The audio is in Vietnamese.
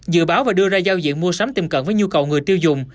dự báo và đưa ra giao diện mua sắm tiềm cận với nhu cầu người tiêu dùng